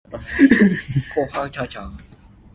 好佳哉